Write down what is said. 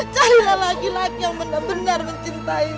carilah laki laki yang benar benar mencintaimu